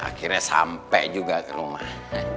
akhirnya sampai juga ke rumah